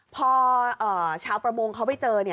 พอชาวประมงเขาไปเจอ